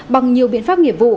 bằng nhiều biện pháp nghiệp vụ